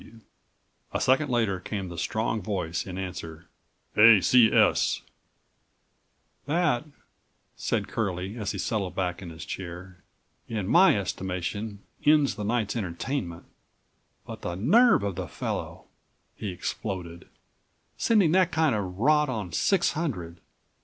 C.W." A second later came the strong voice in answer: "A.C.S." "That," said Curlie as he settled back in his chair, "in my estimation ends the night's entertainment. But the nerve of the fellow!" he exploded. "Sending that kind of rot on six27 hundred.